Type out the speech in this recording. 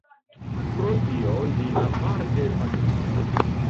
Pro tio li aparte famiĝis.